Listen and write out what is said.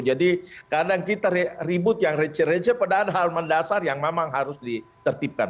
jadi kadang kita ribut yang receh receh padahal hal mendasar yang memang harus ditertibkan